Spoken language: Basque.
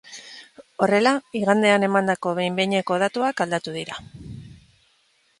Horrela, igandean emandako behin-behineko datuak aldatu dira.